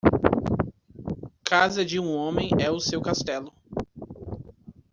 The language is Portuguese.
Casa de um homem é o seu castelo